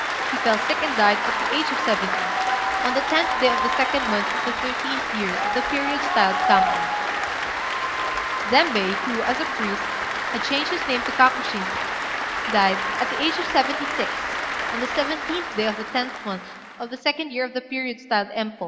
He fell sick and died, at the age of seventy, on the 10th day of the 2d month of the 13th year of the period styled Kambun. Zembei, who, as a priest, had changed his name to Kakushin, died, at the age of seventy six, on the 17th day of the 10th month of the 2d year of the period styled Empô.